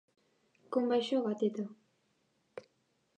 Com va això, gateta?